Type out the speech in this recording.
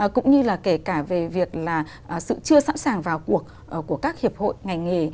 cũng như là kể cả về việc là sự chưa sẵn sàng vào cuộc của các hiệp hội ngành nghề